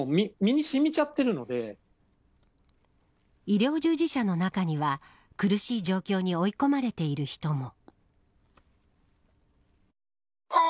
医療従事者の中には苦しい状況に追い込まれている人も。